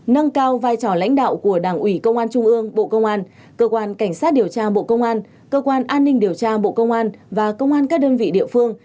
nâng cao vai trò lãnh đạo của đảng ủy công an trung ương bộ công an cơ quan cảnh sát điều tra bộ công an cơ quan an ninh điều tra bộ công an và công an các đơn vị địa phương